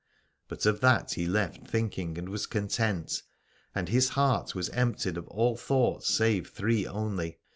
But of that he left thinking, and was content : and his heart was emptied of all thoughts save three only.